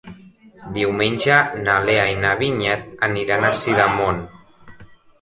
Diumenge na Lea i na Vinyet aniran a Sidamon.